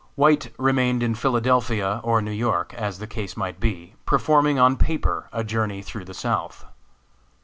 White remained in Philadelphia or New York, as the case might be, performing on paper a journey through the South.